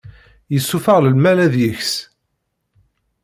Yessufeɣ lmal ad yeks.